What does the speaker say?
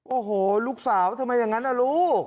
โอ้โหลูกสาวทำไมอย่างนั้นนะลูก